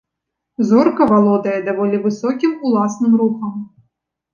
Зорка валодае даволі высокім уласным рухам.